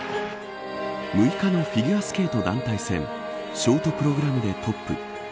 ６日のフィギュアスケート団体戦ショートプログラムでトップ。